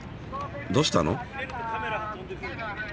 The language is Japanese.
どうしたの？